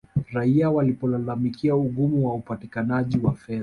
raia walipolalamikia ugumu wa upatikanaji wa fedha